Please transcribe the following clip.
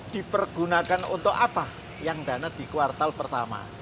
dipergunakan untuk apa yang dana di kuartal pertama